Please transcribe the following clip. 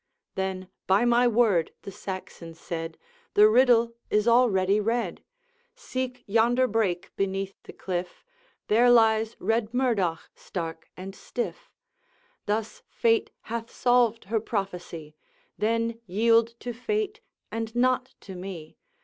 "' 'Then, by my word,' the Saxon said, "The riddle is already read. Seek yonder brake beneath the cliff, There lies Red Murdoch, stark and stiff. Thus Fate hath solved her prophecy; Then yield to Fate, and not to me.